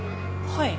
はい。